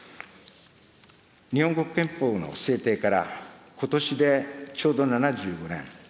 日本国憲法の制定から、ことしでちょうど７５年。